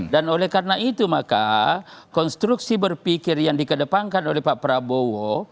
dan oleh karena itu maka konstruksi berpikir yang dikedepankan oleh pak prabowo